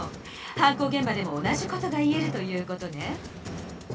犯行げん場でも同じ事が言えるという事ね。